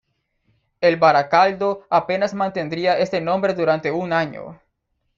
El Barakaldo apenas mantendría este nombre durante un año.